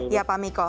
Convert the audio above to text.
ya pak miko